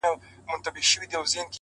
o گراني اوس دي سترگي رانه پټي كړه ـ